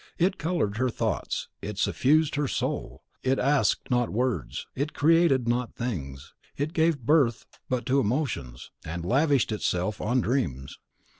It coloured her thoughts, it suffused her soul; it asked not words, it created not things; it gave birth but to emotions, and lavished itself on dreams.